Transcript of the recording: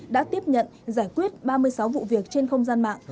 đã tiếp nhận giải quyết ba mươi sáu vụ việc trên không gian mạng